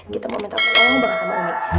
kita mau minta upaya dengan sama umi